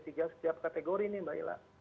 setiap kategori ini mbak ila